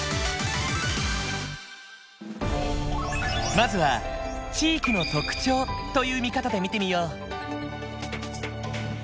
まずは地域の特徴という見方で見てみよう。